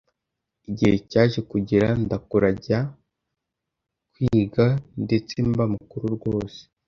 igihe cyaje kugera ndakura njya kwiga ndetse mba mukuru rwose